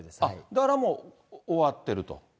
だからもう、終わってると。